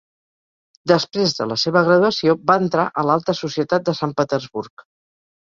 Després de la seva graduació, va entrar a l'alta societat de Sant Petersburg.